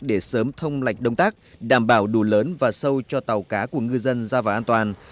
để sớm thông lạch đông tác đảm bảo đủ lớn và sâu cho tàu cá của ngư dân